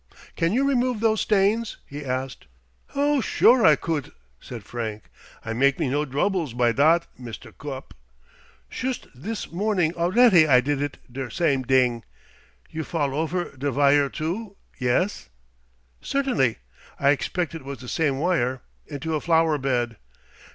"Can you remove those stains?" he asked. "Oh, sure I couldt!" said Frank. "I make me no droubles by dot, Mister Gupp. Shust dis morning alretty I didt it der same ding. You fall ofer der vire too, yes?" "Certainly. I expect it was the same wire. Into a flower bed."